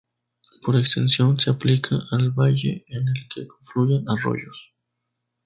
Por extensión, se aplica al valle en el que confluyen arroyos.